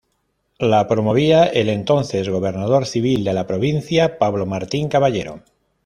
La promovía el entonces gobernador civil de la provincia, Pablo Martín Caballero.